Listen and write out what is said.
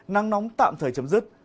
nắng nóng tạm thời chấm dứt